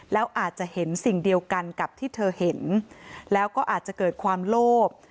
แล้วอาจจะเห็นสิ่งเดียวกันกับที่เธอเห็นแล้วก็อาจจะเกิดความโลภ